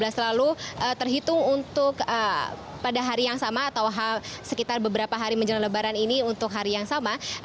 selalu terhitung untuk pada hari yang sama atau sekitar beberapa hari menjelang lebaran ini untuk hari yang sama